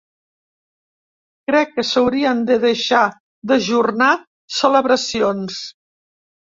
Crec que s’haurien de deixar d’ajornar celebracions.